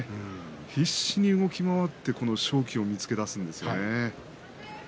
必死に動き回って勝機を見つけ出すんですね。